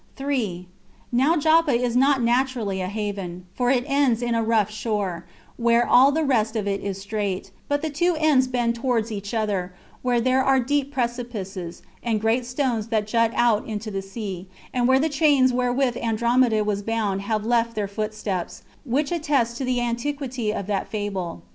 3. Now Joppa is not naturally a haven, for it ends in a rough shore, where all the rest of it is straight, but the two ends bend towards each other, where there are deep precipices, and great stones that jut out into the sea, and where the chains wherewith Andromeda was bound have left their footsteps, which attest to the antiquity of that fable.